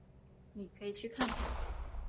妳可以去试试看